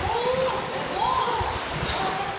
うちわじゃない？